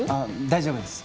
大丈夫です。